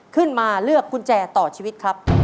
ขึ้นมาเลือกกุญแจต่อชีวิตครับ